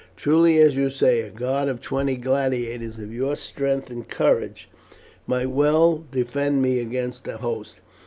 Truly, as you say, a guard of twenty gladiators of your strength and courage might well defend me against a host.